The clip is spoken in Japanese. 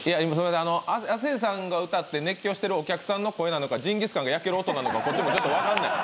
亜生さんが歌って熱狂しているお客さんの声なのかジンギスカンが焼ける音なのか、こっちもちょっと分かんない。